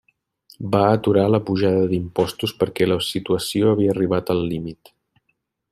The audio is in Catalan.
Va aturar la pujada d'impostos perquè la situació havia arribat al límit.